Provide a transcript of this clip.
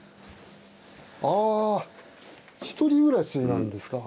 ああ１人暮らしなんですか？